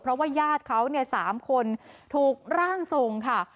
เพราะว่าญาติเขาเนี่ย๓คนถูกร่างทรงค่ะ